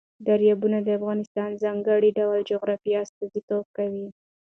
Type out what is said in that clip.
دریابونه د افغانستان د ځانګړي ډول جغرافیه استازیتوب کوي.